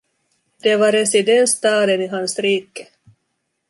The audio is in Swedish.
Det var residensstaden i hans rike.